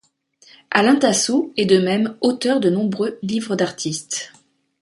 Alain Tasso est de même auteur de nombreux livres d’artistes.